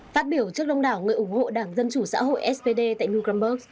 phát biểu trước đông đảo người ủng hộ đảng dân chủ xã hội spd tại nugramberg